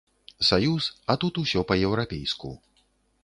Саюз, а тут усё па-еўрапейску.